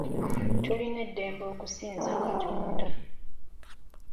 Tulina eddembe okusinza Katonda.